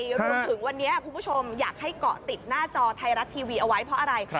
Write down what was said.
รวมถึงวันนี้คุณผู้ชมอยากให้เกาะติดหน้าจอไทยรัฐทีวีเอาไว้เพราะอะไร